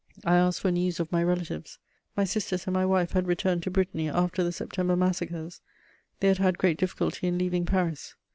I asked for news of my relatives: my sisters and my wife had returned to Brittany after the September massacres; they had had great difficulty in leaving Paris.